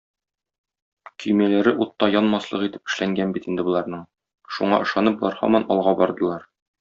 Көймәләре утта янмаслык итеп эшләнгән бит инде боларның, шуңа ышанып, болар һаман алга бардылар.